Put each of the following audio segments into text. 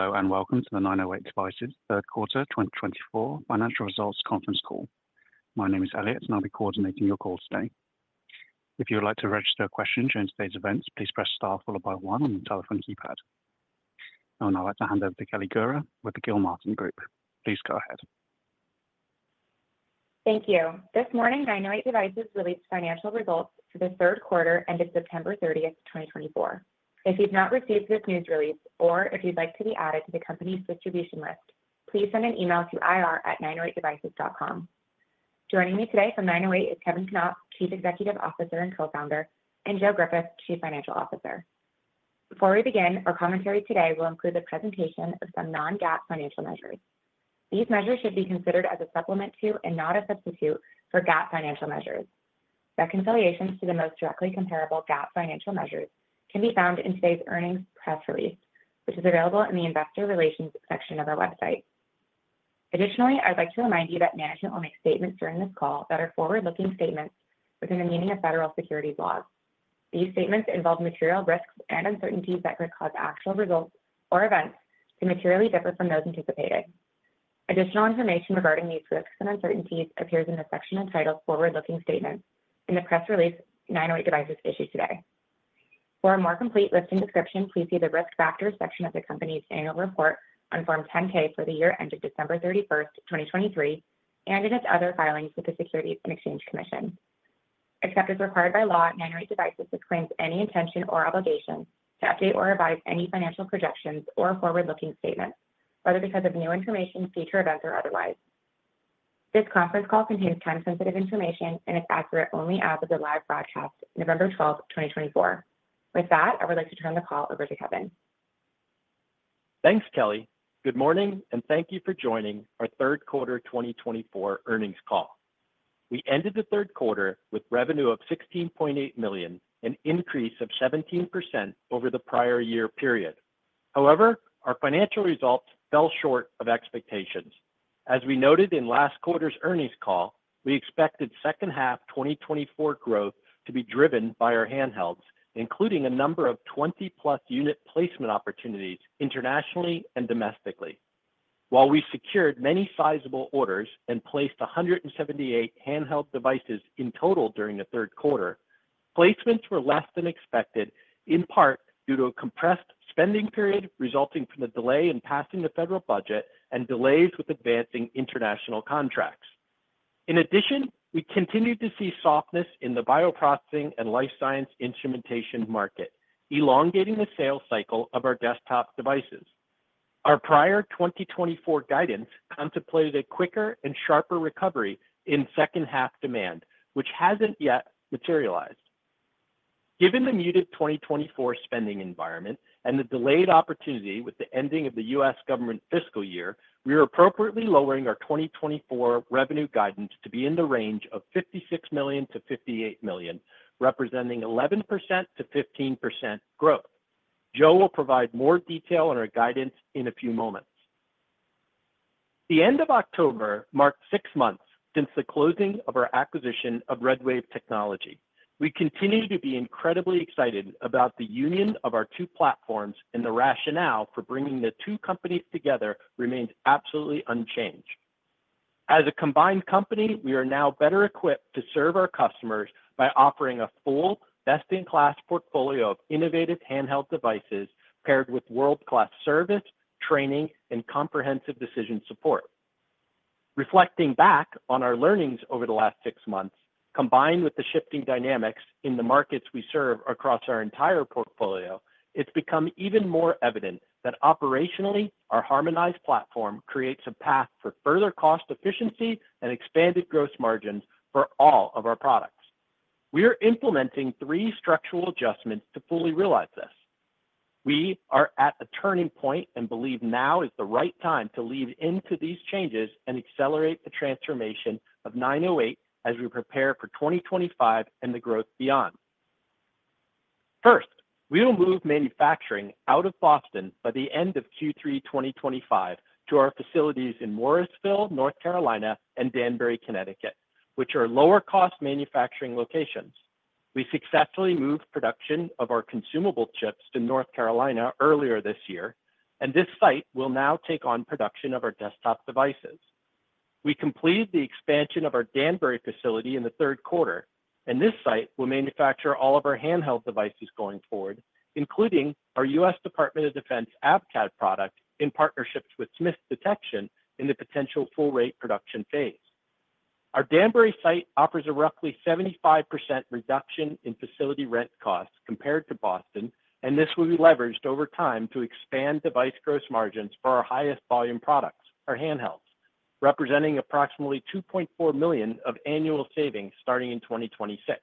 Hello and welcome to the 908 Devices Q3 2024 Financial Results Conference Call. My name is Elliot, and I'll be coordinating your call today. If you would like to register a question during today's events, please press star followed by one on the telephone keypad. I would now like to hand over to Kelly Gura with the Gilmartin Group. Please go ahead. Thank you. This morning, 908 Devices released financial results for the Q3 ended September 30th, 2024. If you've not received this news release or if you'd like to be added to the company's distribution list, please send an email to IR@908devices.com. Joining me today from 908 is Kevin Knopp, Chief Executive Officer and Co-founder, and Joe Griffith, Chief Financial Officer. Before we begin, our commentary today will include the presentation of some non-GAAP financial measures. These measures should be considered as a supplement to and not a substitute for GAAP financial measures. Reconciliations to the most directly comparable GAAP financial measures can be found in today's earnings press release, which is available in the Investor Relations section of our website. Additionally, I'd like to remind you that management will make statements during this call that are forward-looking statements within the meaning of federal securities laws. These statements involve material risks and uncertainties that could cause actual results or events to materially differ from those anticipated. Additional information regarding these risks and uncertainties appears in the section entitled Forward-Looking Statements in the press release 908 Devices issued today. For a more complete list and description, please see the risk factors section of the company's annual report on Form 10-K for the year ended December 31st, 2023, and in its other filings with the Securities and Exchange Commission. Except as required by law, 908 Devices disclaims any intention or obligation to update or revise any financial projections or forward-looking statements, whether because of new information, future events, or otherwise. This conference call contains time-sensitive information and is accurate only as of the live broadcast, November 12th, 2024. With that, I would like to turn the call over to Kevin. Thanks, Kelly. Good morning, and thank you for joining our Q3 2024 earnings call. We ended the Q3 with revenue of $16.8 million and an increase of 17% over the prior year period. However, our financial results fell short of expectations. As we noted in last quarter's earnings call, we expected second half 2024 growth to be driven by our handhelds, including a number of 20-plus unit placement opportunities internationally and domestically. While we secured many sizable orders and placed 178 handheld devices in total during the Q3, placements were less than expected, in part due to a compressed spending period resulting from the delay in passing the federal budget and delays with advancing international contracts. In addition, we continued to see softness in the bioprocessing and life science instrumentation market, elongating the sales cycle of our desktop devices. Our prior 2024 guidance contemplated a quicker and sharper recovery in second half demand, which hasn't yet materialized. Given the muted 2024 spending environment and the delayed opportunity with the ending of the U.S. government fiscal year, we are appropriately lowering our 2024 revenue guidance to be in the range of $56 million-$58 million, representing 11%-15% growth. Joe will provide more detail on our guidance in a few moments. The end of October marked six months since the closing of our acquisition of RedWave Technology. We continue to be incredibly excited about the union of our two platforms, and the rationale for bringing the two companies together remains absolutely unchanged. As a combined company, we are now better equipped to serve our customers by offering a full, best-in-class portfolio of innovative handheld devices paired with world-class service, training, and comprehensive decision support. Reflecting back on our learnings over the last six months, combined with the shifting dynamics in the markets we serve across our entire portfolio, it's become even more evident that operationally, our harmonized platform creates a path for further cost efficiency and expanded gross margins for all of our products. We are implementing three structural adjustments to fully realize this. We are at a turning point and believe now is the right time to lean into these changes and accelerate the transformation of 908 as we prepare for 2025 and the growth beyond. First, we will move manufacturing out of Boston by the end of Q3 2025 to our facilities in Morrisville, North Carolina, and Danbury, Connecticut, which are lower-cost manufacturing locations. We successfully moved production of our consumable chips to North Carolina earlier this year, and this site will now take on production of our desktop devices. We completed the expansion of our Danbury facility in the Q3, and this site will manufacture all of our handheld devices going forward, including our U.S. Department of Defense ACAD product in partnership with Smiths Detection in the potential full-rate production phase. Our Danbury site offers a roughly 75% reduction in facility rent costs compared to Boston, and this will be leveraged over time to expand device gross margins for our highest volume products, our handhelds, representing approximately $2.4 million of annual savings starting in 2026.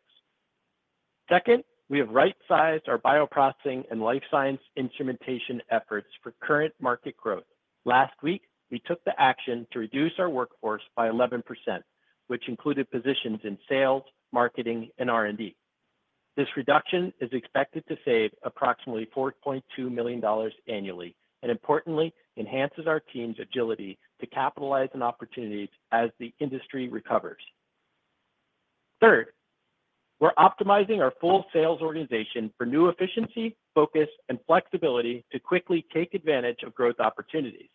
Second, we have right-sized our bioprocessing and life science instrumentation efforts for current market growth. Last week, we took the action to reduce our workforce by 11%, which included positions in sales, marketing, and R&D. This reduction is expected to save approximately $4.2 million annually and, importantly, enhances our team's agility to capitalize on opportunities as the industry recovers. Third, we're optimizing our full sales organization for new efficiency, focus, and flexibility to quickly take advantage of growth opportunities.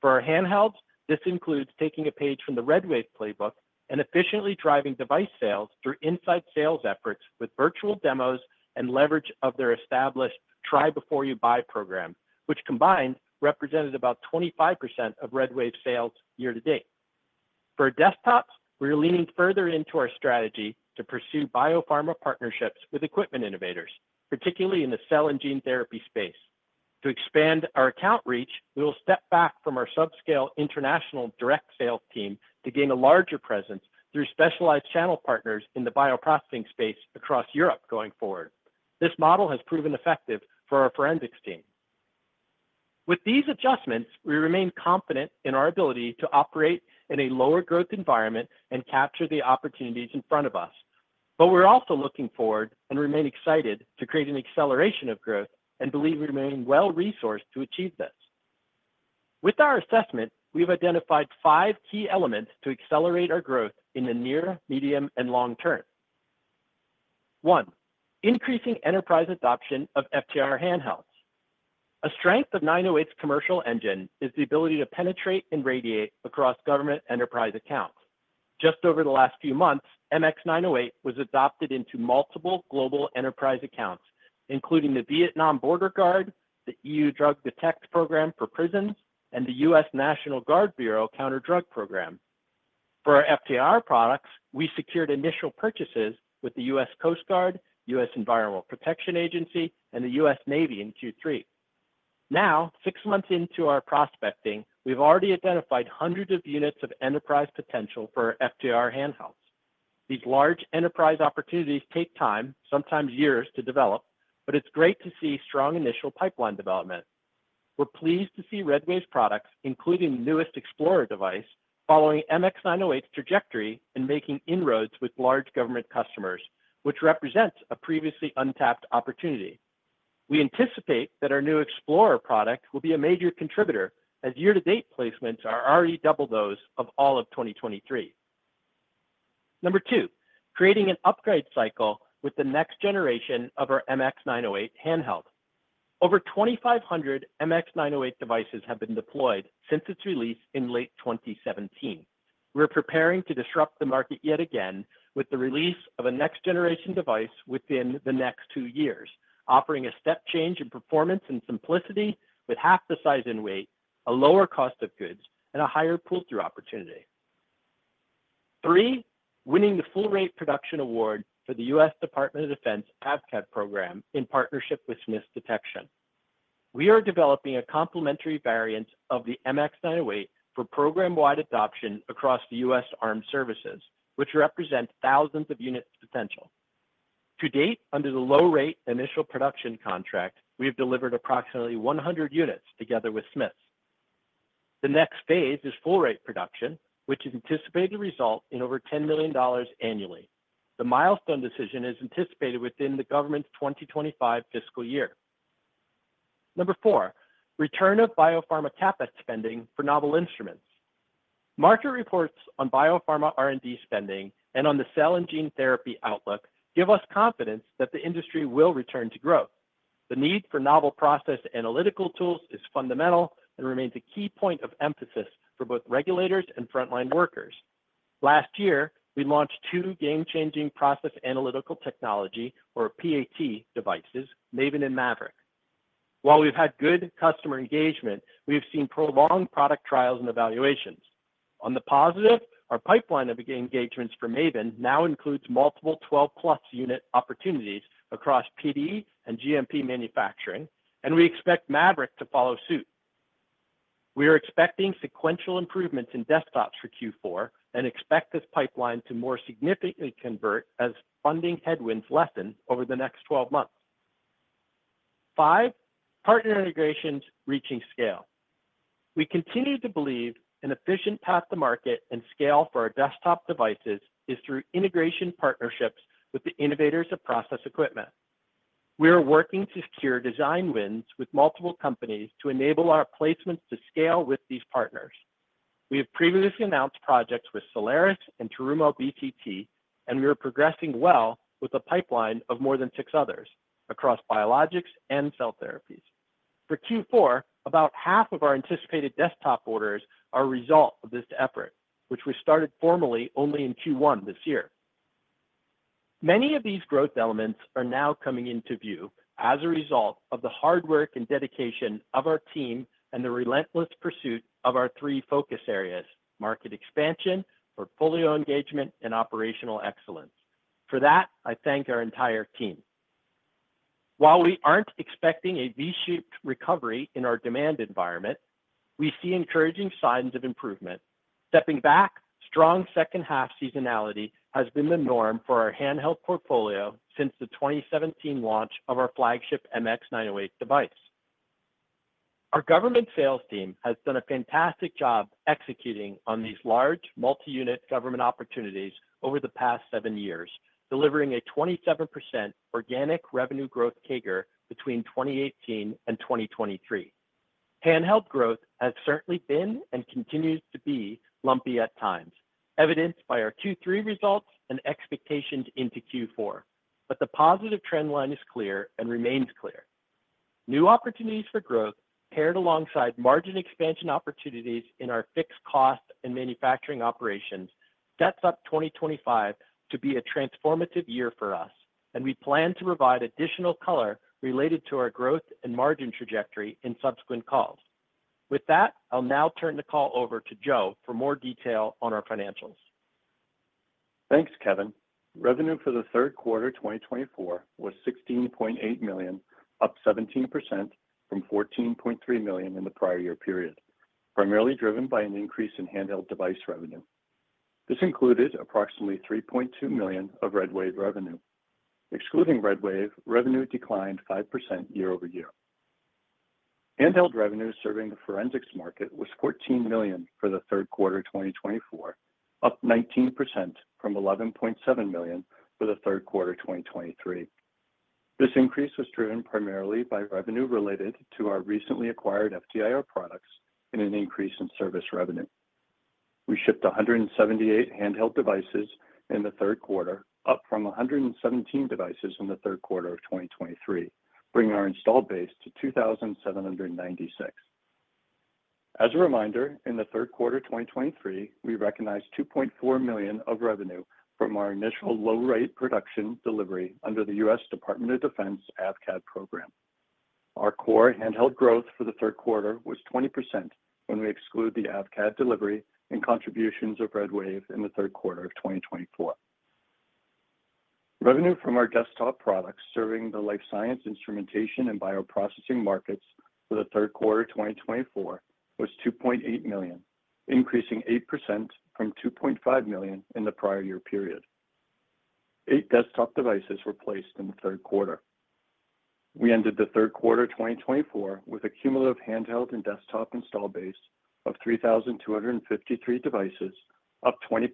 For our handhelds, this includes taking a page from the RedWave playbook and efficiently driving device sales through inside sales efforts with virtual demos and leverage of their established try-before-you-buy program, which combined represented about 25% of RedWave sales year to date. For desktops, we're leaning further into our strategy to pursue biopharma partnerships with equipment innovators, particularly in the cell and gene therapy space. To expand our account reach, we will step back from our subscale international direct sales team to gain a larger presence through specialized channel partners in the bioprocessing space across Europe going forward. This model has proven effective for our forensics team. With these adjustments, we remain confident in our ability to operate in a lower growth environment and capture the opportunities in front of us. But we're also looking forward and remain excited to create an acceleration of growth and believe we remain well-resourced to achieve this. With our assessment, we've identified five key elements to accelerate our growth in the near, medium, and long term. One, increasing enterprise adoption of FTIR handhelds. A strength of 908's commercial engine is the ability to penetrate and radiate across government enterprise accounts. Just over the last few months, MX908 was adopted into multiple global enterprise accounts, including the Vietnam Border Guard, the EU Drug Detect Program for prisons, and the U.S. National Guard Bureau Counterdrug Program. For our FTIR products, we secured initial purchases with the U.S. Coast Guard, U.S. Environmental Protection Agency, and the U.S. Navy in Q3. Now, six months into our prospecting, we've already identified hundreds of units of enterprise potential for our FTIR handhelds. These large enterprise opportunities take time, sometimes years, to develop, but it's great to see strong initial pipeline development. We're pleased to see RedWave's products, including the newest XplorIR device, following MX908's trajectory and making inroads with large government customers, which represents a previously untapped opportunity. We anticipate that our new XplorIR product will be a major contributor, as year-to-date placements are already double those of all of 2023. Number two, creating an upgrade cycle with the next generation of our MX908 handheld. Over 2,500 MX908 devices have been deployed since its release in late 2017. We're preparing to disrupt the market yet again with the release of a next-generation device within the next two years, offering a step change in performance and simplicity with half the size and weight, a lower cost of goods, and a higher pull-through opportunity. Three, winning the full-rate production award for the U.S. Department of Defense AVCAD program in partnership with Smiths Detection. We are developing a complementary variant of the MX908 for program-wide adoption across the U.S. Armed Services, which represents thousands of units potential. To date, under the low-rate initial production contract, we have delivered approximately 100 units together with Smiths Detection. The next phase is full-rate production, which is anticipated to result in over $10 million annually. The milestone decision is anticipated within the government's 2025 fiscal year. Number four, return of biopharma CapEx spending for novel instruments. Market reports on biopharma R&D spending and on the cell and gene therapy outlook give us confidence that the industry will return to growth. The need for novel process analytical tools is fundamental and remains a key point of emphasis for both regulators and frontline workers. Last year, we launched two game-changing process analytical technology, or PAT devices, Maven and Maverick. While we've had good customer engagement, we have seen prolonged product trials and evaluations. On the positive, our pipeline of engagements for Maven now includes multiple 12-plus unit opportunities across PD and GMP manufacturing, and we expect Maverick to follow suit. We are expecting sequential improvements in desktops for Q4 and expect this pipeline to more significantly convert as funding headwinds lessen over the next 12 months. Five, partner integrations reaching scale. We continue to believe an efficient path to market and scale for our desktop devices is through integration partnerships with the innovators of process equipment. We are working to secure design wins with multiple companies to enable our placements to scale with these partners. We have previously announced projects with Solaris and Terumo BCT, and we are progressing well with a pipeline of more than six others across biologics and cell therapies. For Q4, about half of our anticipated desktop orders are a result of this effort, which we started formally only in Q1 this year. Many of these growth elements are now coming into view as a result of the hard work and dedication of our team and the relentless pursuit of our three focus areas: market expansion, portfolio engagement, and operational excellence. For that, I thank our entire team. While we aren't expecting a V-shaped recovery in our demand environment, we see encouraging signs of improvement. Stepping back, strong second half seasonality has been the norm for our handheld portfolio since the 2017 launch of our flagship MX908 device. Our government sales team has done a fantastic job executing on these large multi-unit government opportunities over the past seven years, delivering a 27% organic revenue growth CAGR between 2018 and 2023. Handheld growth has certainly been and continues to be lumpy at times, evidenced by our Q3 results and expectations into Q4. But the positive trend line is clear and remains clear. New opportunities for growth paired alongside margin expansion opportunities in our fixed cost and manufacturing operations sets up 2025 to be a transformative year for us, and we plan to provide additional color related to our growth and margin trajectory in subsequent calls. With that, I'll now turn the call over to Joe for more detail on our financials. Thanks, Kevin. Revenue for the Q3 2024 was $16.8 million, up 17% from $14.3 million in the prior year period, primarily driven by an increase in handheld device revenue. This included approximately $3.2 million of RedWave revenue. Excluding RedWave, revenue declined 5% year-over-year. Handheld revenue serving the forensics market was $14 million for the Q3 2024, up 19% from $11.7 million for the Q3 2023. This increase was driven primarily by revenue related to our recently acquired FTIR products and an increase in service revenue. We shipped 178 handheld devices in the Q3, up from 117 devices in the Q3 of 2023, bringing our installed base to 2,796. As a reminder, in the Q3 2023, we recognized $2.4 million of revenue from our initial low-rate production delivery under the U.S. Department of Defense AVCAD program. Our core handheld growth for the Q3 was 20% when we exclude the AVCAD delivery and contributions of RedWave in the Q3 of 2024. Revenue from our desktop products serving the life science instrumentation and bioprocessing markets for the Q3 2024 was $2.8 million, increasing 8% from $2.5 million in the prior year period. Eight desktop devices were placed in the Q3. We ended the Q3 2024 with a cumulative handheld and desktop install base of 3,253 devices, up 20%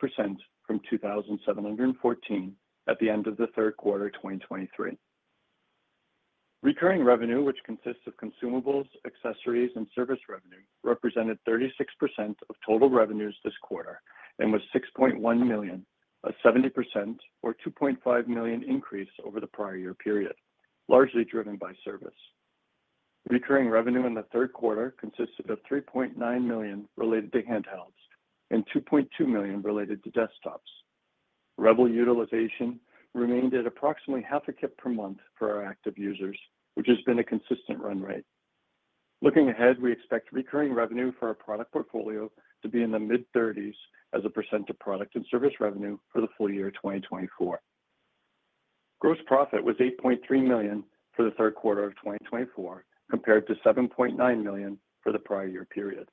from 2,714 at the end of the Q3 2023. Recurring revenue, which consists of consumables, accessories, and service revenue, represented 36% of total revenues this quarter and was $6.1 million, a 70% or $2.5 million increase over the prior year period, largely driven by service. Recurring revenue in the Q3 consisted of $3.9 million related to handhelds and $2.2 million related to desktops. REBEL utilization remained at approximately half a kit per month for our active users, which has been a consistent run rate. Looking ahead, we expect recurring revenue for our product portfolio to be in the mid-30s as a percent of product and service revenue for the full year 2024. Gross profit was $8.3 million for the Q3 of 2024, compared to $7.9 million for the prior year period.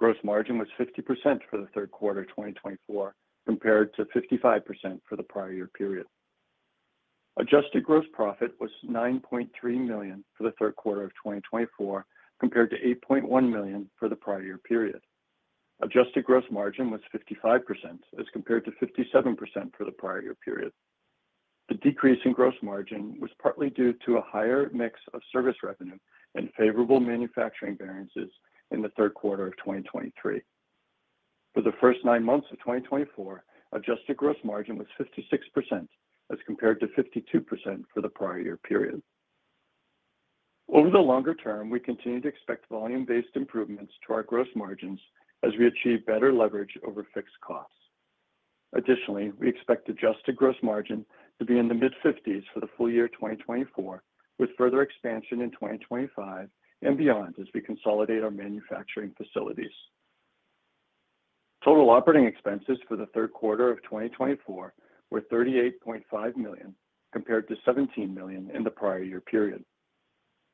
Gross margin was 50% for the Q3 2024, compared to 55% for the prior year period. Adjusted gross profit was $9.3 million for the Q3 of 2024, compared to $8.1 million for the prior year period. Adjusted gross margin was 55%, as compared to 57% for the prior year period. The decrease in gross margin was partly due to a higher mix of service revenue and favorable manufacturing variances in the Q3 of 2023. For the first nine months of 2024, adjusted gross margin was 56%, as compared to 52% for the prior year period. Over the longer term, we continue to expect volume-based improvements to our gross margins as we achieve better leverage over fixed costs. Additionally, we expect adjusted gross margin to be in the mid-50s for the full year 2024, with further expansion in 2025 and beyond as we consolidate our manufacturing facilities. Total operating expenses for the Q3 of 2024 were $38.5 million, compared to $17 million in the prior year period.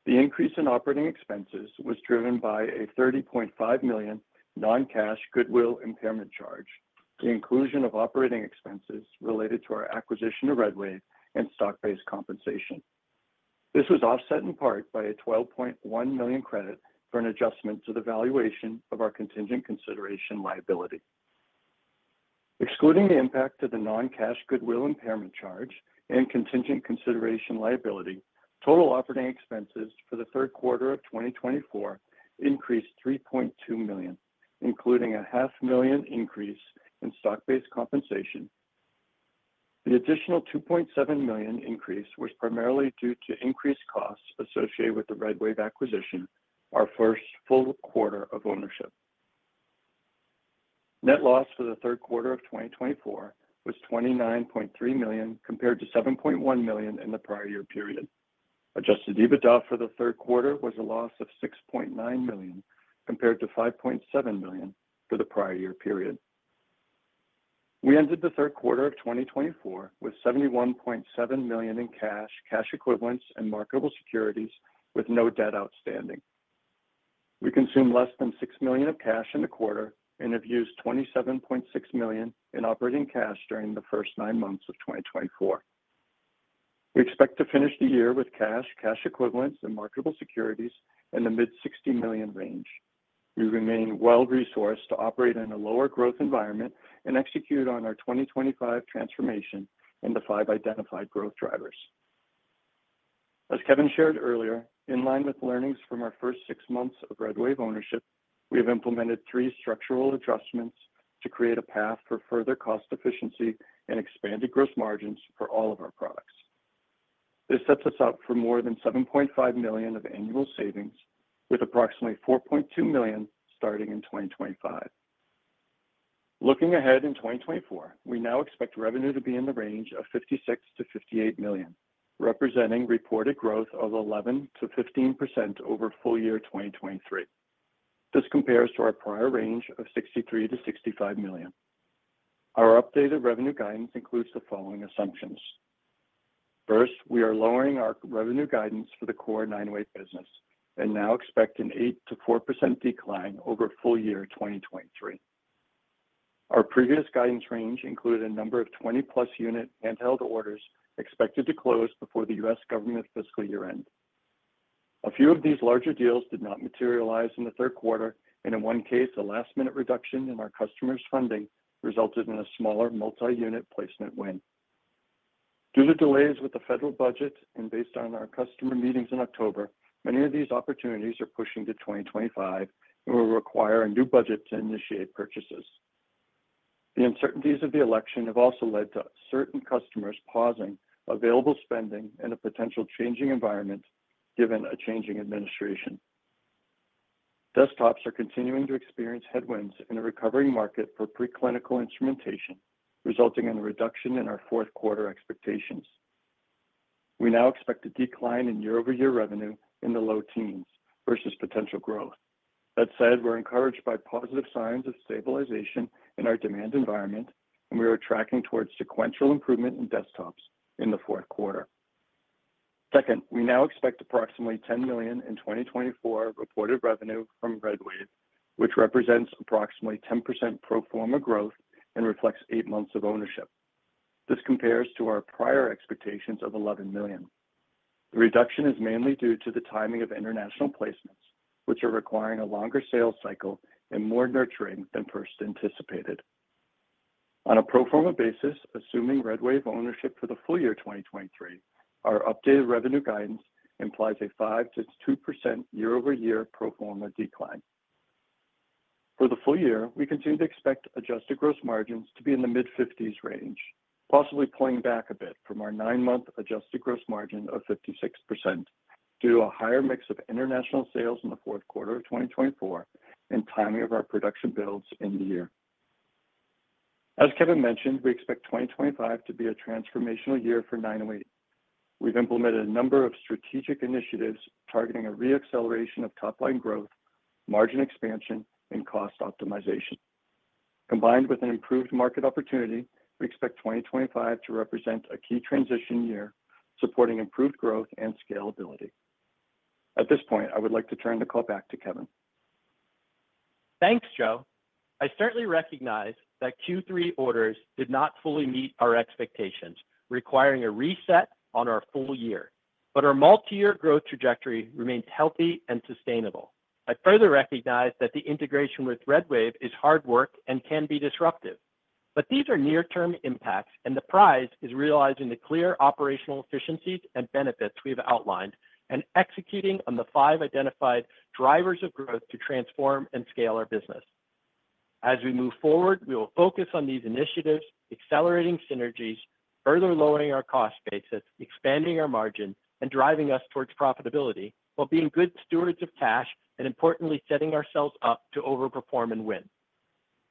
The increase in operating expenses was driven by a $30.5 million non-cash Goodwill Impairment charge, the inclusion of operating expenses related to our acquisition of RedWave and stock-based compensation. This was offset in part by a $12.1 million credit for an adjustment to the valuation of our contingent consideration liability. Excluding the impact of the non-cash Goodwill Impairment charge and contingent consideration liability, total operating expenses for the Q3 of 2024 increased $3.2 million, including a $500,000 increase in stock-based compensation. The additional $2.7 million increase was primarily due to increased costs associated with the RedWave acquisition, our first full quarter of ownership. Net loss for the Q3 of 2024 was $29.3 million, compared to $7.1 million in the prior year period. Adjusted EBITDA for the Q3 was a loss of $6.9 million, compared to $5.7 million for the prior year period. We ended the Q3 of 2024 with $71.7 million in cash, cash equivalents, and marketable securities, with no debt outstanding. We consumed less than $6 million of cash in the quarter and have used $27.6 million in operating cash during the first nine months of 2024. We expect to finish the year with cash, cash equivalents, and marketable securities in the mid-$60 million range. We remain well-resourced to operate in a lower growth environment and execute on our 2025 transformation and the five identified growth drivers. As Kevin shared earlier, in line with learnings from our first six months of RedWave ownership, we have implemented three structural adjustments to create a path for further cost efficiency and expanded gross margins for all of our products. This sets us up for more than $7.5 million of annual savings, with approximately $4.2 million starting in 2025. Looking ahead in 2024, we now expect revenue to be in the range of $56-$58 million, representing reported growth of 11%-15% over full year 2023. This compares to our prior range of $63-$65 million. Our updated revenue guidance includes the following assumptions. First, we are lowering our revenue guidance for the core 908 business and now expect an 8%-4% decline over full year 2023. Our previous guidance range included a number of 20-plus unit handheld orders expected to close before the U.S. government fiscal year end. A few of these larger deals did not materialize in the Q3, and in one case, a last-minute reduction in our customers' funding resulted in a smaller multi-unit placement win. Due to delays with the federal budget and based on our customer meetings in October, many of these opportunities are pushing to 2025 and will require a new budget to initiate purchases. The uncertainties of the election have also led to certain customers pausing available spending and a potential changing environment given a changing administration. Desktops are continuing to experience headwinds in a recovering market for preclinical instrumentation, resulting in a reduction in our Q4 expectations. We now expect a decline in year-over-year revenue in the low teens versus potential growth. That said, we're encouraged by positive signs of stabilization in our demand environment, and we are tracking towards sequential improvement in desktops in the Q4. Second, we now expect approximately $10 million in 2024 reported revenue from RedWave, which represents approximately 10% pro forma growth and reflects eight months of ownership. This compares to our prior expectations of $11 million. The reduction is mainly due to the timing of international placements, which are requiring a longer sales cycle and more nurturing than first anticipated. On a pro forma basis, assuming RedWave ownership for the full year 2023, our updated revenue guidance implies a 5% to 2% year-over-year pro forma decline. For the full year, we continue to expect adjusted gross margins to be in the mid-50s range, possibly pulling back a bit from our nine-month adjusted gross margin of 56% due to a higher mix of international sales in the Q4 of 2024 and timing of our production builds in the year. As Kevin mentioned, we expect 2025 to be a transformational year for 908. We've implemented a number of strategic initiatives targeting a re-acceleration of top-line growth, margin expansion, and cost optimization. Combined with an improved market opportunity, we expect 2025 to represent a key transition year supporting improved growth and scalability. At this point, I would like to turn the call back to Kevin. Thanks, Joe. I certainly recognize that Q3 orders did not fully meet our expectations, requiring a reset on our full year, but our multi-year growth trajectory remains healthy and sustainable. I further recognize that the integration with RedWave is hard work and can be disruptive, but these are near-term impacts, and the prize is realizing the clear operational efficiencies and benefits we have outlined and executing on the five identified drivers of growth to transform and scale our business. As we move forward, we will focus on these initiatives, accelerating synergies, further lowering our cost basis, expanding our margin, and driving us towards profitability while being good stewards of cash and, importantly, setting ourselves up to over-perform and win.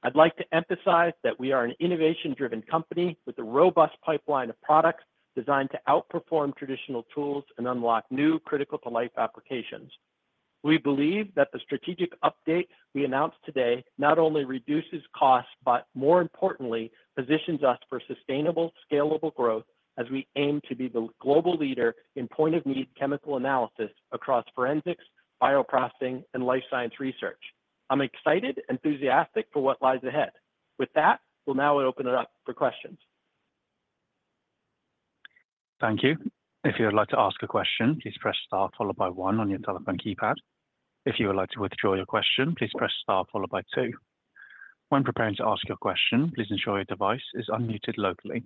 I'd like to emphasize that we are an innovation-driven company with a robust pipeline of products designed to outperform traditional tools and unlock new critical-to-life applications. We believe that the strategic update we announced today not only reduces costs, but more importantly, positions us for sustainable, scalable growth as we aim to be the global leader in point-of-need chemical analysis across forensics, bioprocessing, and life science research. I'm excited, enthusiastic for what lies ahead. With that, we'll now open it up for questions. Thank you. If you'd like to ask a question, please press Star followed by 1 on your telephone keypad. If you would like to withdraw your question, please press Star followed by 2. When preparing to ask your question, please ensure your device is unmuted locally.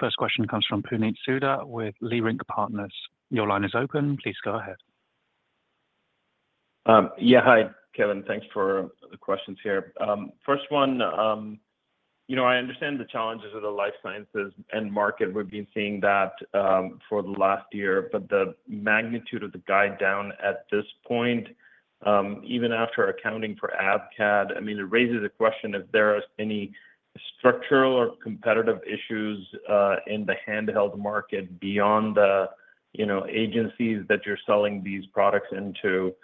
First question comes from Puneet Souda with Leerink Partners. Your line is open. Please go ahead. Yeah, hi, Kevin. Thanks for the questions here. First one, you know I understand the challenges of the life sciences and market. We've been seeing that for the last year, but the magnitude of the guide down at this point, even after accounting for AVCAD, I mean, it raises a question if there are any structural or competitive issues in the handheld market beyond the agencies that you're selling these products into.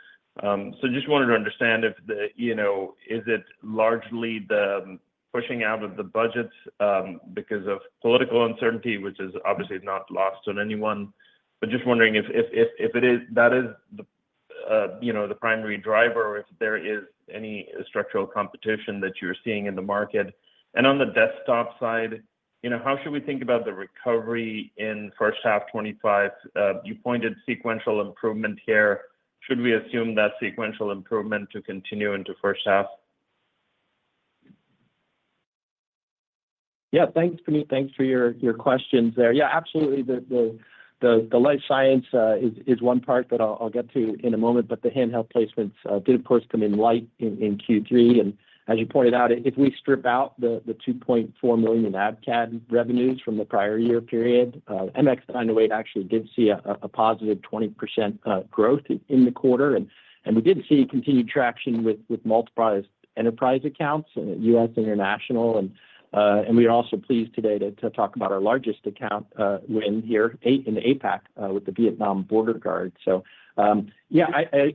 So, just wanted to understand if the, you know, is it largely the pushing out of the budgets because of political uncertainty, which is obviously not lost on anyone, but just wondering if that is the primary driver or if there is any structural competition that you're seeing in the market. And on the desktop side, you know, how should we think about the recovery in first half 2025? You pointed sequential improvement here. Should we assume that sequential improvement to continue into first half? Yeah, thanks, Puneet. Thanks for your questions there. Yeah, absolutely. The life science is one part that I'll get to in a moment, but the handheld placements did, of course, come in light in Q3. As you pointed out, if we strip out the $2.4 million in AVCAD revenues from the prior year period, MX908 actually did see a positive 20% growth in the quarter. We did see continued traction with multiple enterprise accounts and U.S. international. We are also pleased today to talk about our largest account win here in APAC with the Vietnam Border Guard. Yeah,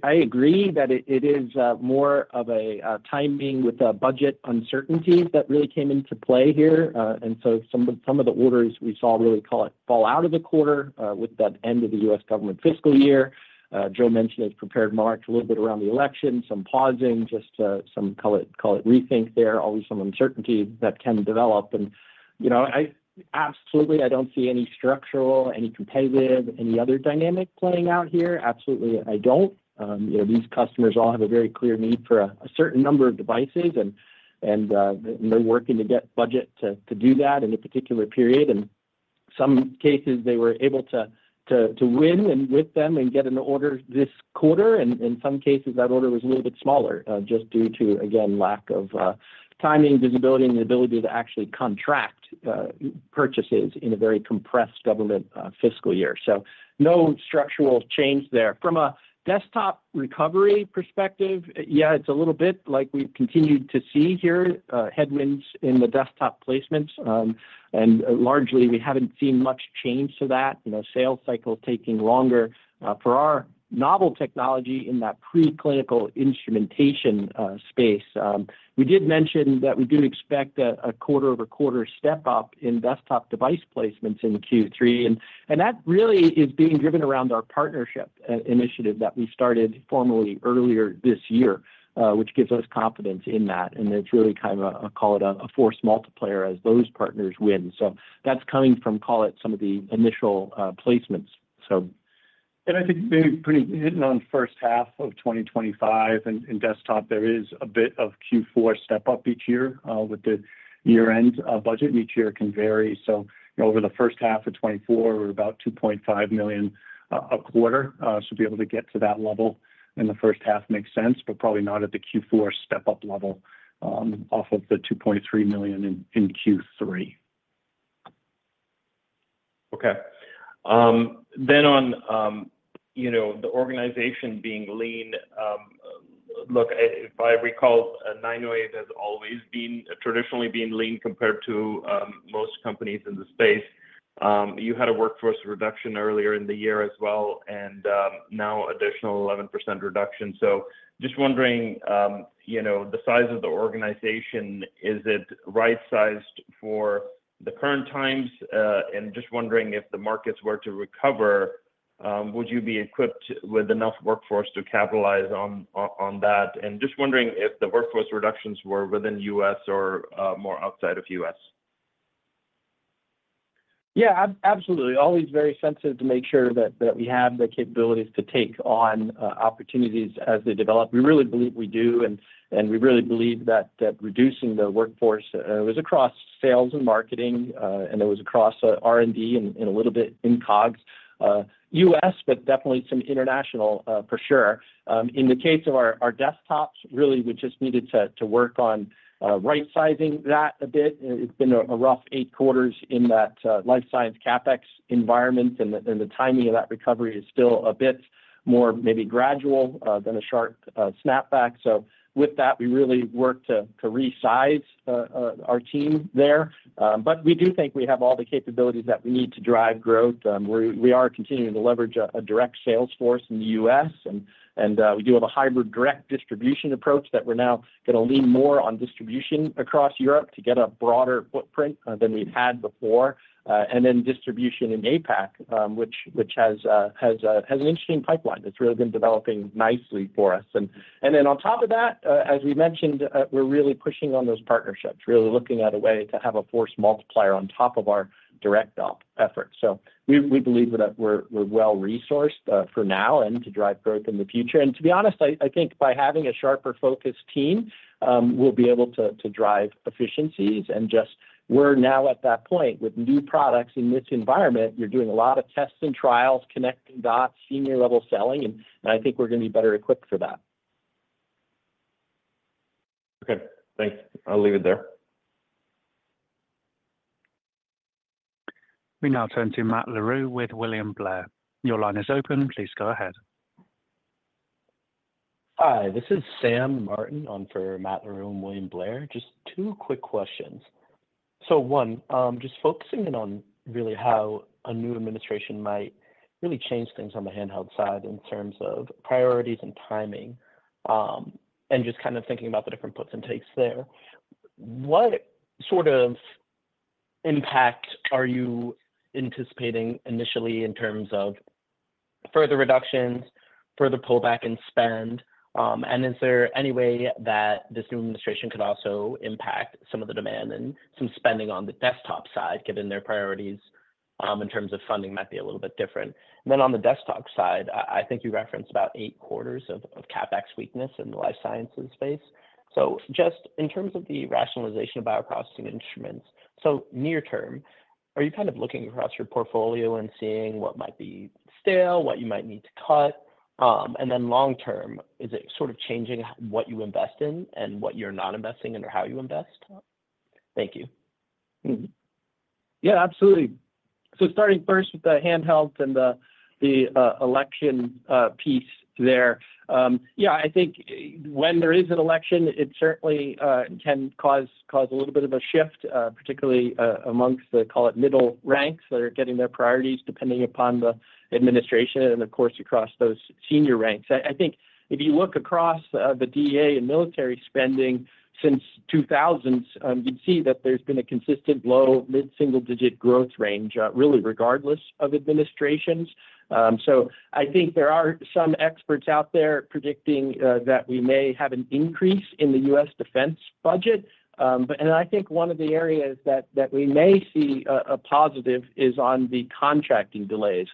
I agree that it is more of a timing with budget uncertainty that really came into play here. Some of the orders we saw really call it fall out of the quarter with that end of the U.S. government fiscal year. Joe mentioned it prepared March a little bit around the election, some pausing, just some call it rethink there, always some uncertainty that can develop. And you know, absolutely, I don't see any structural, any competitive, any other dynamic playing out here. Absolutely, I don't. You know, these customers all have a very clear need for a certain number of devices, and they're working to get budget to do that in a particular period. And in some cases, they were able to win with them and get an order this quarter. And in some cases, that order was a little bit smaller just due to, again, lack of timing, visibility, and the ability to actually contract purchases in a very compressed government fiscal year. So no structural change there. From a desktop recovery perspective, yeah, it's a little bit like we've continued to see here, headwinds in the desktop placements. And largely, we haven't seen much change to that, you know, sales cycles taking longer for our novel technology in that preclinical instrumentation space. We did mention that we do expect a quarter-over-quarter step-up in desktop device placements in Q3. And that really is being driven around our partnership initiative that we started formally earlier this year, which gives us confidence in that. And it's really kind of a, call it a force multiplier as those partners win. So that's coming from, call it some of the initial placements. So. And I think, Puneet, hitting on first half of 2025, in desktop, there is a bit of Q4 step-up each year with the year-end budget, and each year it can vary. So over the first half of 2024, we're about $2.5 million a quarter. So to be able to get to that level in the first half makes sense, but probably not at the Q4 step-up level off of the $2.3 million in Q3. Okay. Then on, you know, the organization being lean. Look, if I recall, 908 has always been traditionally being lean compared to most companies in the space. You had a workforce reduction earlier in the year as well, and now additional 11% reduction. So just wondering, you know, the size of the organization, is it right-sized for the current times? And just wondering if the markets were to recover, would you be equipped with enough workforce to capitalize on that? And just wondering if the workforce reductions were within U.S. or more outside of U.S. Yeah, absolutely. Always very sensitive to make sure that we have the capabilities to take on opportunities as they develop. We really believe we do, and we really believe that reducing the workforce was across sales and marketing, and it was across R&D and a little bit in COGS, U.S., but definitely some international for sure. In the case of our desktops, really, we just needed to work on right-sizing that a bit. It's been a rough eight quarters in that life science CapEx environment, and the timing of that recovery is still a bit more maybe gradual than a sharp snapback. So with that, we really worked to resize our team there. But we do think we have all the capabilities that we need to drive growth. We are continuing to leverage a direct sales force in the U.S., and we do have a hybrid direct distribution approach that we're now going to lean more on distribution across Europe to get a broader footprint than we've had before. And then distribution in APAC, which has an interesting pipeline that's really been developing nicely for us. And then on top of that, as we mentioned, we're really pushing on those partnerships, really looking at a way to have a force multiplier on top of our direct op effort. So we believe that we're well-resourced for now and to drive growth in the future. And to be honest, I think by having a sharper-focused team, we'll be able to drive efficiencies. And just we're now at that point with new products in this environment. You're doing a lot of tests and trials, connecting dots, senior-level selling, and I think we're going to be better equipped for that. Okay, thanks. I'll leave it there. We now turn to Matt LaRue with William Blair. Your line is open. Please go ahead. Hi, this is Sam Martin for Matt LaRue and William Blair. Just two quick questions. So one, just focusing in on really how a new administration might really change things on the handheld side in terms of priorities and timing and just kind of thinking about the different puts and takes there. What sort of impact are you anticipating initially in terms of further reductions, further pullback in spend? And is there any way that this new administration could also impact some of the demand and some spending on the desktop side, given their priorities in terms of funding might be a little bit different? And then on the desktop side, I think you referenced about eight quarters of CapEx weakness in the life sciences space. So just in terms of the rationalization of bioprocessing instruments, so near term, are you kind of looking across your portfolio and seeing what might be stale, what you might need to cut? And then long term, is it sort of changing what you invest in and what you're not investing in or how you invest? Thank you. Yeah, absolutely. So starting first with the handhelds and the election piece there, yeah, I think when there is an election, it certainly can cause a little bit of a shift, particularly amongst the, call it middle ranks that are getting their priorities depending upon the administration and, of course, across those senior ranks. I think if you look across the DEA and military spending since 2000, you'd see that there's been a consistent low, mid-single-digit growth range, really regardless of administrations. So I think there are some experts out there predicting that we may have an increase in the U.S. defense budget. And I think one of the areas that we may see a positive is on the contracting delays.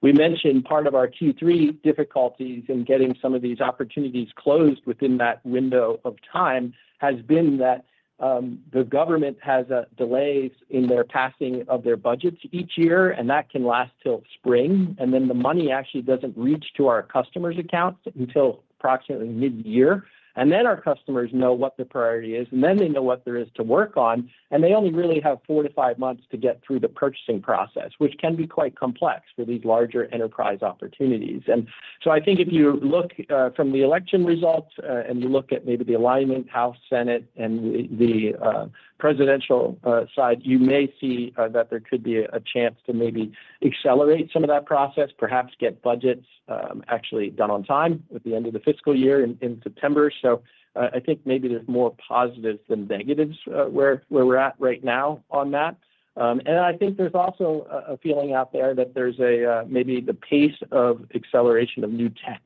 We mentioned part of our Q3 difficulties in getting some of these opportunities closed within that window of time has been that the government has delays in their passing of their budgets each year, and that can last till spring. And then the money actually doesn't reach to our customers' accounts until approximately mid-year. And then our customers know what the priority is, and then they know what there is to work on. And they only really have four to five months to get through the purchasing process, which can be quite complex for these larger enterprise opportunities. I think if you look from the election results and you look at maybe the alignment, House, Senate, and the presidential side, you may see that there could be a chance to maybe accelerate some of that process, perhaps get budgets actually done on time at the end of the fiscal year in September. S o I think maybe there's more positives than negatives where we're at right now on that. And I think there's also a feeling out there that there's maybe the pace of acceleration of new tech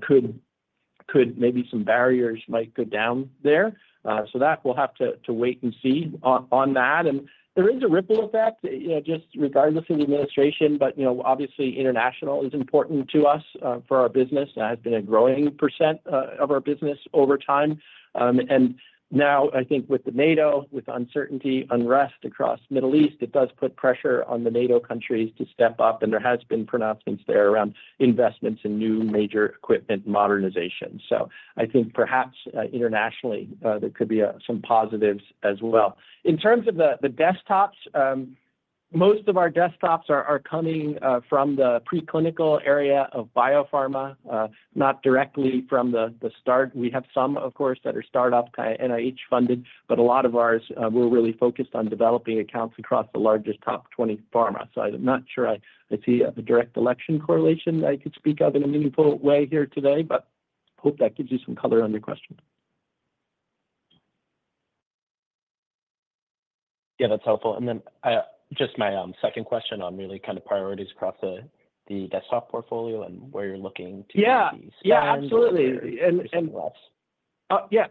could maybe some barriers might go down there. So that we'll have to wait and see on that. And there is a ripple effect, you know, just regardless of the administration, but you know, obviously international is important to us for our business. That has been a growing % of our business over time. Now I think with the NATO, with uncertainty, unrest across the Middle East, it does put pressure on the NATO countries to step up. And there has been pronouncements there around investments in new major equipment modernization. So I think perhaps internationally, there could be some positives as well. In terms of the desktops, most of our desktops are coming from the preclinical area of biopharma, not directly from the start. We have some, of course, that are startup kind of NIH funded, but a lot of ours were really focused on developing accounts across the largest top 20 pharma. So I'm not sure I see a direct election correlation that I could speak of in a meaningful way here today, but hope that gives you some color on your question. Yeah, that's helpful. And then just my second question on really kind of priorities across the desktop portfolio and where you're looking to get these products and what's. Yeah, absolutely. And yeah,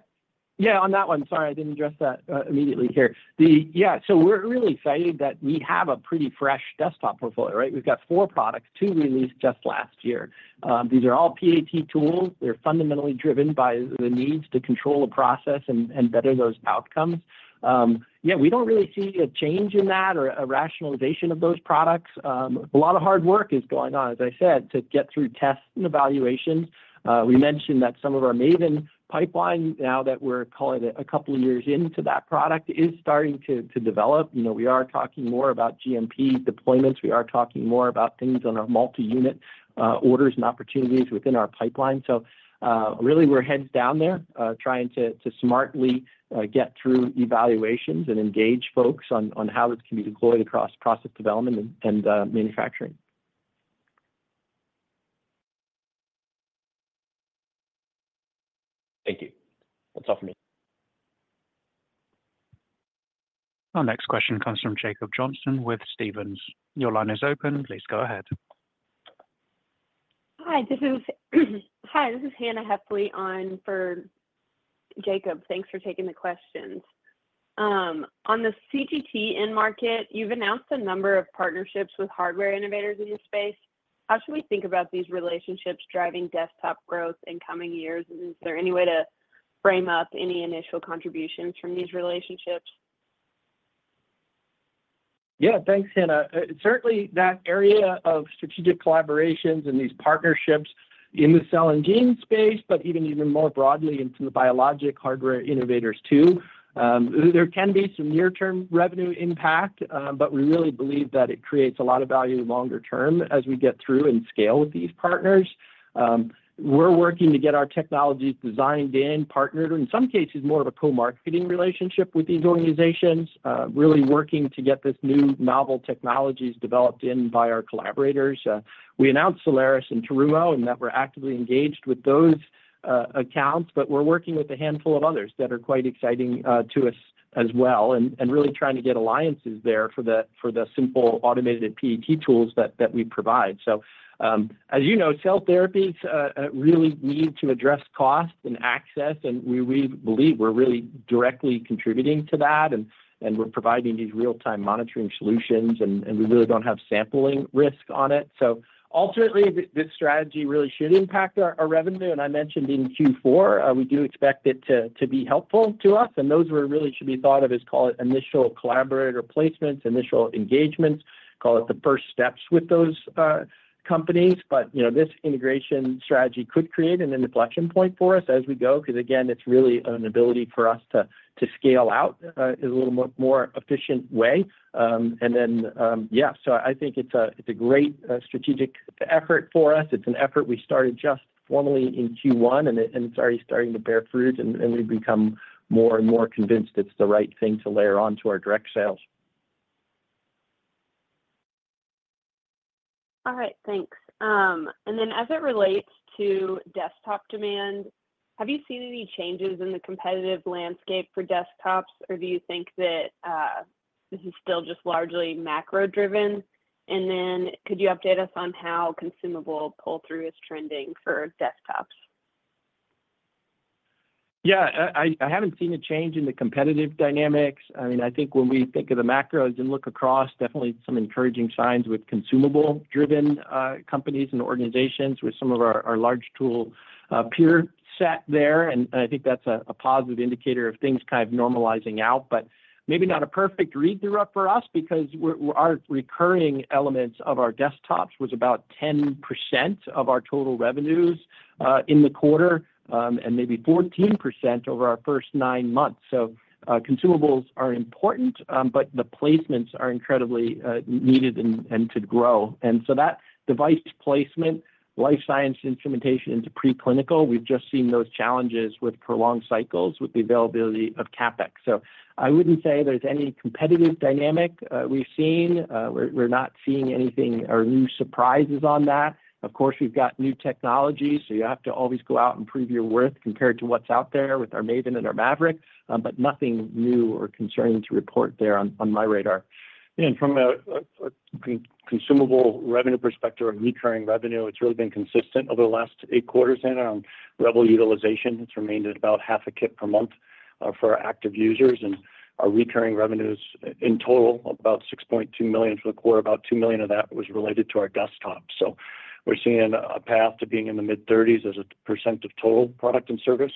yeah, on that one, sorry, I didn't address that immediately here. Yeah, so we're really excited that we have a pretty fresh desktop portfolio, right? We've got four products, two released just last year. These are all PAT tools. They're fundamentally driven by the needs to control the process and better those outcomes. Yeah, we don't really see a change in that or a rationalization of those products. A lot of hard work is going on, as I said, to get through tests and evaluations. We mentioned that some of our Maven pipeline now that we're, call it a couple of years into that product is starting to develop. You know, we are talking more about GMP deployments. We are talking more about things on our multi-unit orders and opportunities within our pipeline. So really, we're heads down there trying to smartly get through evaluations and engage folks on how this can be deployed across process development and manufacturing. Thank you. That's all from me. Our next question comes from Jacob Johnson with Stephens. Your line is open. Please go ahead. Hi, this is Hannah Hefley on for Jacob. Thanks for taking the questions. On the CGT in market, you've announced a number of partnerships with hardware innovators in the space. How should we think about these relationships driving desktop growth in coming years? And is there any way to frame up any initial contributions from these relationships? Yeah, thanks, Hannah. Certainly, that area of strategic collaborations and these partnerships in the cell and gene space, but even more broadly into the biologic hardware innovators too, there can be some near-term revenue impact, but we really believe that it creates a lot of value longer term as we get through and scale with these partners. We're working to get our technologies designed in, partnered, or in some cases, more of a co-marketing relationship with these organizations, really working to get this new novel technologies developed in by our collaborators. We announced Solaris and Terumo and that we're actively engaged with those accounts, but we're working with a handful of others that are quite exciting to us as well and really trying to get alliances there for the simple automated PAT tools that we provide. So as you know, cell therapies really need to address cost and access, and we believe we're really directly contributing to that, and we're providing these real-time monitoring solutions, and we really don't have sampling risk on it. So ultimately, this strategy really should impact our revenue. And I mentioned in Q4, we do expect it to be helpful to us. And those really should be thought of as, call it initial collaborator placements, initial engagements, call it the first steps with those companies. But this integration strategy could create an inflection point for us as we go because, again, it's really an ability for us to scale out in a little more efficient way. And then, yeah, so I think it's a great strategic effort for us. It's an effort we started just formally in Q1, and it's already starting to bear fruit, and we become more and more convinced it's the right thing to layer onto our direct sales. All right, thanks. And then as it relates to desktop demand, have you seen any changes in the competitive landscape for desktops, or do you think that this is still just largely macro-driven? And then could you update us on how consumable pull-through is trending for desktops? Yeah, I haven't seen a change in the competitive dynamics. I mean, I think when we think of the macros and look across, definitely some encouraging signs with consumable-driven companies and organizations with some of our large tool peer set there. And I think that's a positive indicator of things kind of normalizing out, but maybe not a perfect read-through for us because our recurring elements of our desktops was about 10% of our total revenues in the quarter and maybe 14% over our first nine months. So consumables are important, but the placements are incredibly needed and to grow. And so that device placement, life science instrumentation into preclinical, we've just seen those challenges with prolonged cycles with the availability of CapEx. So I wouldn't say there's any competitive dynamic we've seen. We're not seeing anything or new surprises on that. Of course, we've got new technologies, so you have to always go out and prove your worth compared to what's out there with our Maven and our Maverick, but nothing new or concerning to report there on my radar. And from a consumable revenue perspective or recurring revenue, it's really been consistent over the last eight quarters, Hannah, on REBEL utilization. It's remained at about half a kit per month for our active users. And our recurring revenues in total, about $6.2 million for the quarter, about $2 million of that was related to our desktop. So we're seeing a path to being in the mid-30% of total product and service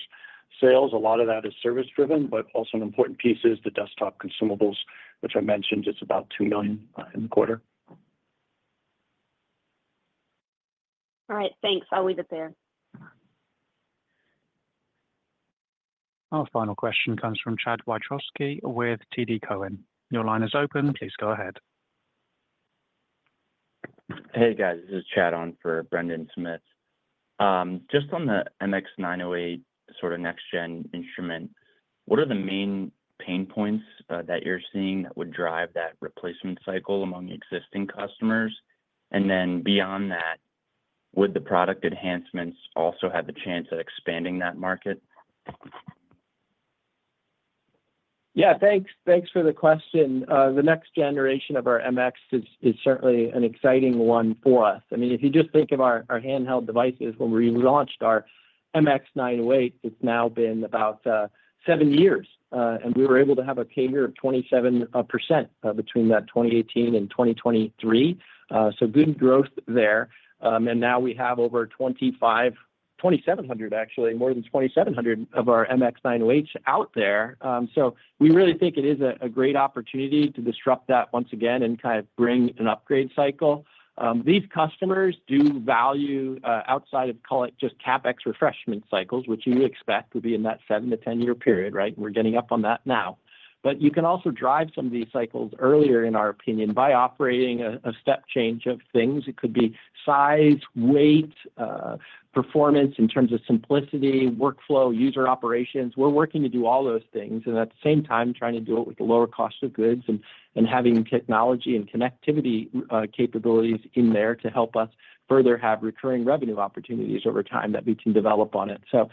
sales. A lot of that is service-driven, but also an important piece is the desktop consumables, which I mentioned is about $2 million in the quarter. All right, thanks. I'll leave it there. Our final question comes from Chad Wiatrowski with TD Cowen. Your line is open. Please go ahead. Hey, guys. This is Chad on for Brendan Smith. Just on the MX908 sort of next-gen instrument, what are the main pain points that you're seeing that would drive that replacement cycle among existing customers? And then beyond that, would the product enhancements also have the chance of expanding that market? Yeah, thanks. Thanks for the question. The next generation of our MX is certainly an exciting one for us. I mean, if you just think of our handheld devices when we launched our MX908, it's now been about seven years, and we were able to have a CAGR of 27% between that 2018 and 2023. So good growth there. And now we have over 2700, actually more than 2700 of our MX908s out there. So we really think it is a great opportunity to disrupt that once again and kind of bring an upgrade cycle. These customers do value outside of, call it just CapEx refreshment cycles, which you expect would be in that 7- to 10-year period, right? We're getting up on that now. But you can also drive some of these cycles earlier, in our opinion, by operating a step change of things. It could be size, weight, performance in terms of simplicity, workflow, user operations. We're working to do all those things and at the same time trying to do it with lower cost of goods and having technology and connectivity capabilities in there to help us further have recurring revenue opportunities over time that we can develop on it. So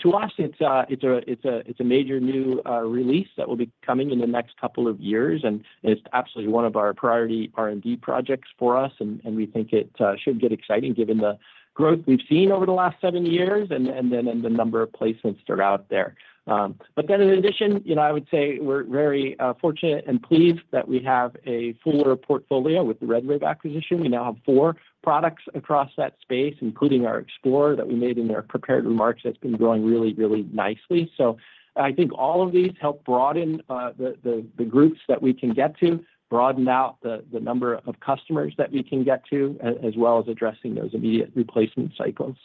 to us, it's a major new release that will be coming in the next couple of years, and it's absolutely one of our priority R&D projects for us. And we think it should get exciting given the growth we've seen over the last seven years and then the number of placements that are out there. But then in addition, I would say we're very fortunate and pleased that we have a fuller portfolio with the RedWave acquisition. We now have four products across that space, including our XplorIR that we made in their prepared remarks that's been growing really, really nicely. So I think all of these help broaden the groups that we can get to, broaden out the number of customers that we can get to, as well as addressing those immediate replacement cycles.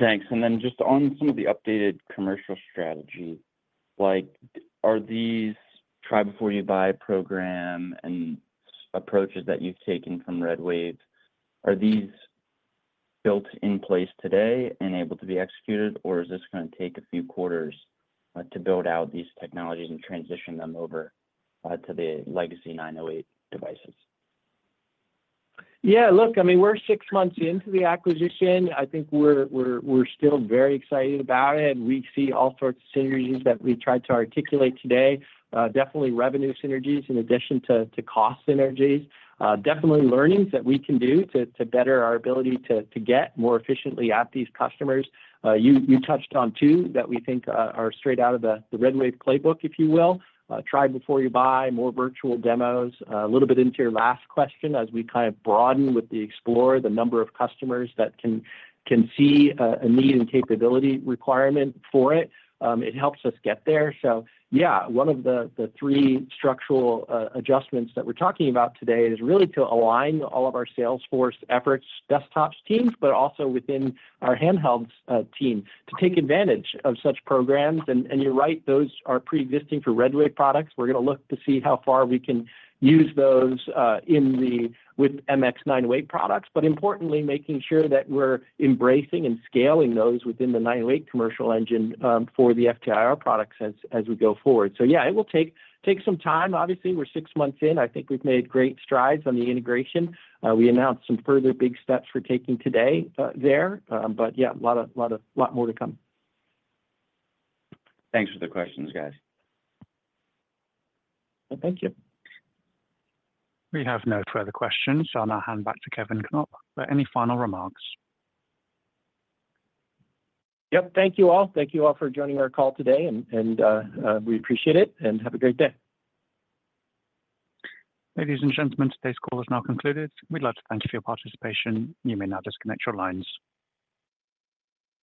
Thanks. And then just on some of the updated commercial strategy, are these try-before-you-buy programs and approaches that you've taken from RedWave, are these built in place today and able to be executed, or is this going to take a few quarters to build out these technologies and transition them over to the legacy 908 Devices? Yeah, look, I mean, we're six months into the acquisition. I think we're still very excited about it. We see all sorts of synergies that we tried to articulate today, definitely revenue synergies in addition to cost synergies. Definitely learnings that we can do to better our ability to get more efficiently at these customers. You touched on two that we think are straight out of the RedWave playbook, if you will. Try-before-you-buy, more virtual demos, a little bit into your last question as we kind of broaden with the XplorIR, the number of customers that can see a need and capability requirement for it. It helps us get there. So yeah, one of the three structural adjustments that we're talking about today is really to align all of our sales force efforts, desktop teams, but also within our handhelds team to take advantage of such programs. And you're right, those are pre-existing for RedWave products. We're going to look to see how far we can use those with MX908 products, but importantly, making sure that we're embracing and scaling those within the 908 commercial engine for the FTIR products as we go forward. So yeah, it will take some time. Obviously, we're six months in. I think we've made great strides on the integration. We announced some further big steps we're taking today there, but yeah, a lot more to come. Thanks for the questions, guys. Thank you. We have no further questions, so I'll now hand back to Kevin Knopp for any final remarks. Yep, thank you all. Thank you all for joining our call today, and we appreciate it, and have a great day. Ladies and gentlemen, today's call is now concluded. We'd like to thank you for your participation. You may now disconnect your lines.